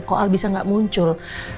kok al bisa gak muncul